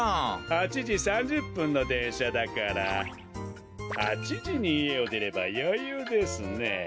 ８じ３０ぷんのでんしゃだから８じにいえをでればよゆうですね。